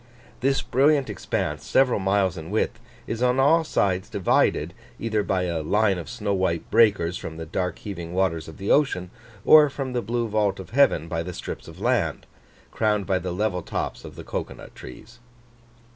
This brilliant expanse, several miles in width, is on all sides divided, either by a line of snow white breakers from the dark heaving waters of the ocean, or from the blue vault of heaven by the strips of land, crowned by the level tops of the cocoa nut trees.